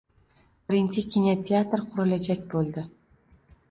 Birinchi kinoteatr qurilajak bo‘ldi.